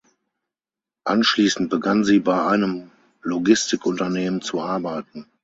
Anschließend begann sie bei einem Logistikunternehmen zu arbeiten.